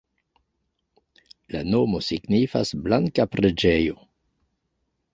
La nomo signifas: "blanka preĝejo".